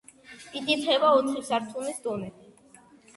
იკითხება ოთხი სართულის დონე.